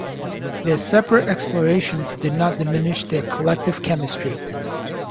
Their separate explorations did not diminish their collective chemistry.